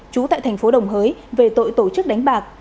trú tại thành phố đồng hới về tội tổ chức đánh bạc